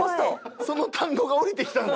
その単語が降りてきたんだ？